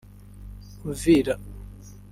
Uvira